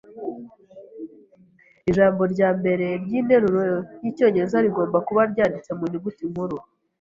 Ijambo ryambere ryinteruro yicyongereza rigomba kuba ryanditse mu nyuguti nkuru.